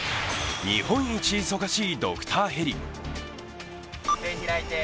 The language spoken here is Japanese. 日本一忙しいドクターヘリ。